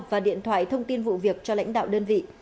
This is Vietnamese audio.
và điện thoại thông tin vụ việc cho lãnh đạo đơn vị